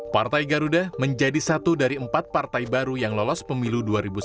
partai garuda menjadi satu dari empat partai baru yang lolos pemilu dua ribu sembilan belas